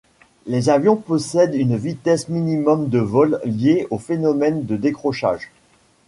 Les avions possèdent une vitesse minimum de vol liée au phénomène de décrochage.